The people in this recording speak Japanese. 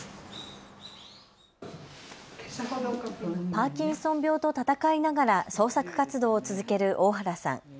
パーキンソン病と闘いながら創作活動を続ける大原さん。